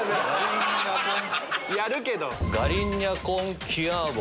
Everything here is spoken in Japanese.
やるけど！